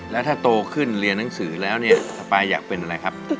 แล้วถ้าโตขึ้นเรียนหนังสือแล้วเนี่ยสปายอยากเป็นอะไรครับ